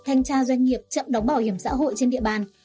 thanh tra doanh nghiệp chậm đóng bảo hiểm xã hội trên địa bàn